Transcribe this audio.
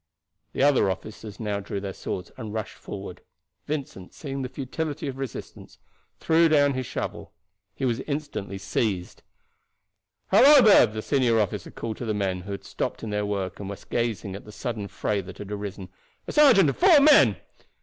The other officers now drew their swords and rushed forward. Vincent, seeing the futility of resistance, threw down his shovel. He was instantly seized. "Halloo there!" the senior officer called to the men, who had stopped in their work and were gazing at the sudden fray that had arisen, "a sergeant and four men."